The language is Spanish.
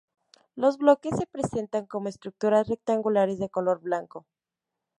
Los bloques se presentan como estructuras rectangulares de color blanco.